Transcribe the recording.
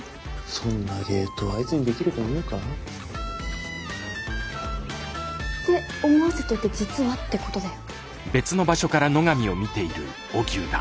そんな芸当あいつにできると思うか？って思わせといて実はってことだよ。